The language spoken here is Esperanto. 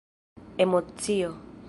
emocio